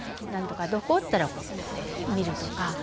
「何とかどこ？」って言ったら見るとか。